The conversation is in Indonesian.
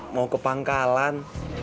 mau ke pangkalan